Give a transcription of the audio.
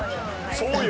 そうよ。